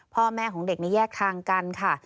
พ่อแม่ของเด็กแยกทางกันค่ะ